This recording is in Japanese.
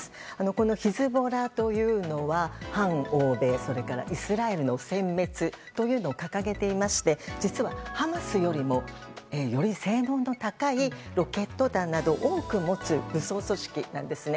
このヒズボラというのは反欧米それからイスラエルの殲滅というのを掲げていまして実は、ハマスよりもより性能の高いロケット弾などを多く持つ武装組織なんですね。